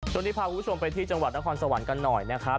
ช่วงนี้พาคุณผู้ชมไปที่จังหวัดนครสวรรค์กันหน่อยนะครับ